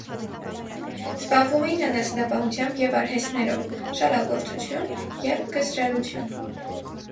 Զբաղվում էին անասնապահությամբ և արհեստներով (շալագործություն և գզրարություն)։